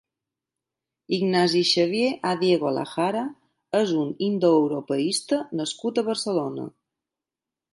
Ignasi-Xavier Adiego Lajara és un indoeuropeista nascut a Barcelona.